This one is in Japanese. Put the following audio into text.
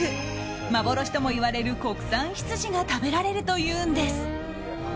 幻ともいわれる国産ヒツジが食べられるというんです。